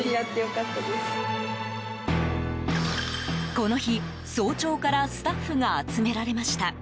この日、早朝からスタッフが集められました。